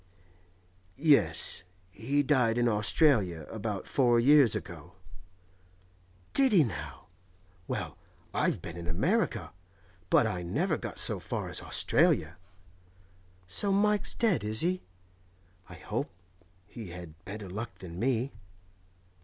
'Yes. He died in Australia, about four years ago.' 'Did he now? Well, I've been in America, but I never got so far as Australia. So Mike's dead, is he? I hope he had better luck than me.